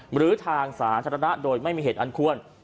หรือทางสาธารณะโดยไม่มีเหตุอันควร